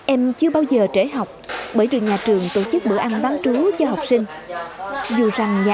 em chưa bao giờ trễ học bởi được nhà trường tổ chức bữa ăn bán trú cho học sinh dù rằng nhà